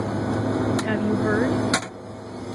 Have You Heard?